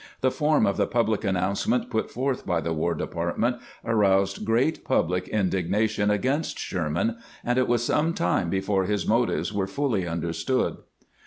The form of the public announcement put forth by the "War De partment aroused great public indignation against Sherman, and it was some time before his motives were fully understood.